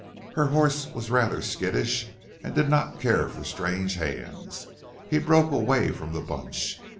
Her horse was rather skittish and did not care for strange hands. He broke away from the bunch.